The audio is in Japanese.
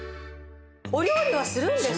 お料理はするんですか？